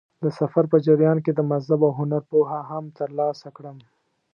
د سفر په جریان کې د مذهب او هنر پوهه هم ترلاسه کړم.